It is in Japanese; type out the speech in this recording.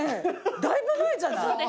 だいぶ前じゃない？